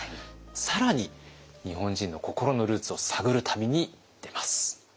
更に日本人の心のルーツを探る旅に出ます。